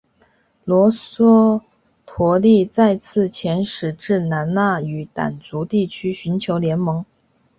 罗娑陀利再次遣使至兰纳与掸族地区寻求联盟。